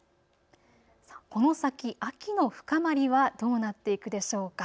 この先、秋の深まりはどうなっていくでしょうか。